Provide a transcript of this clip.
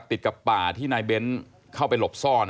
ติดกับป่าที่นายเบ้นเข้าไปหลบซ่อน